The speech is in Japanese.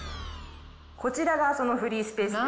こちらがそのフリースペースですね。